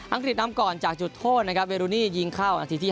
อังกฤษนำก่อนจากจุดโทษเวรุนียิงเข้าวันที่ที่๕